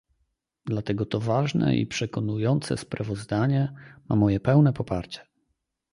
Dlatego to ważne i przekonujące sprawozdanie ma moje pełne poparcie